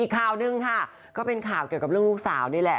อีกคราวหนึ่งค่ะก็เป็นข่าวเกี่ยวกับลูกสาวนี่แหละ